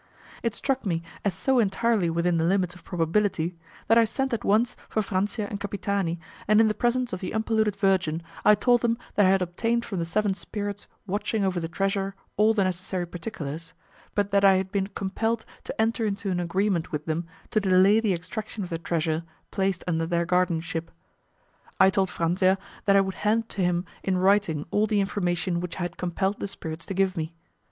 It struck me as so entirely within the limits of probability that I sent at once for Franzia and Capitani, and in the presence of the unpolluted virgin I told them that I had obtained from the seven spirits watching over the treasure all the necessary particulars, but that I had been compelled to enter into an agreement with them to delay the extraction of the treasure placed under their guardianship. I told Franzia that I would hand to him in writing all the information which I had compelled the spirits to give me.